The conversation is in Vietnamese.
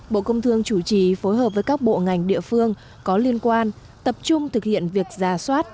bộ công thương chủ trì phối hợp với các bộ ngành địa phương có liên quan tập trung thực hiện việc giả soát